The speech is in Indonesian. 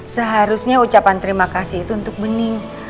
seharusnya ucapan terima kasih itu untuk bening